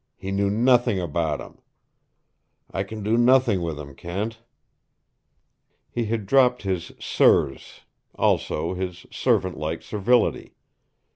He knew nothing about him. I can do nothing with him, Kent." He had dropped his "sirs," also his servant like servility.